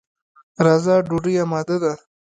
راځه، ډوډۍ اماده ده.